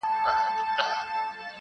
د مېچني په څېر ګرځېدی چالان وو -